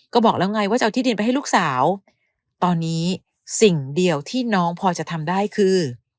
ก็บอกแล้วไงว่าจะเอาที่ดินไปให้ลูกสาวตอนนี้สิ่งเดียวที่น้องพอจะทำได้คือ